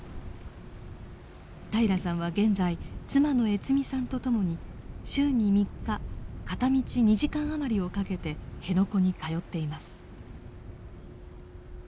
平良さんは現在妻の悦美さんと共に週に３日片道２時間余りをかけて辺野古に通っています。